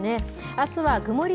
あすは曇り